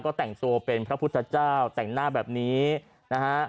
ก็แต่งตัวเป็นพระพุทธเจ้าแต่งหน้าแบบนี้นะฮะ